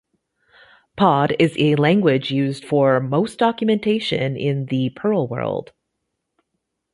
Pod is the language used for most documentation in the Perl world.